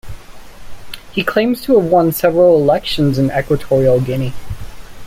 He claims to have won several elections in Equatorial Guinea.